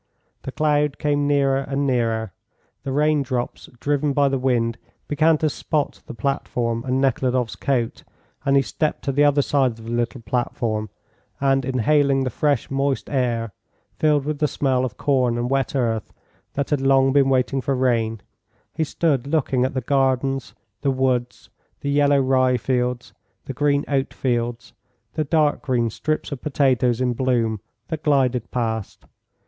The cloud came nearer and nearer, the rain drops driven by the wind began to spot the platform and Nekhludoff's coat; and he stepped to the other side of the little platform, and, inhaling the fresh, moist air filled with the smell of corn and wet earth that had long been waiting for rain he stood looking at the gardens, the woods, the yellow rye fields, the green oatfields, the dark green strips of potatoes in bloom, that glided past.